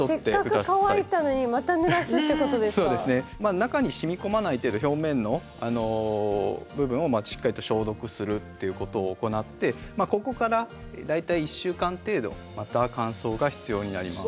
中に染み込まない程度表面の部分をしっかりと消毒するということを行ってここから大体１週間程度また乾燥が必要になります。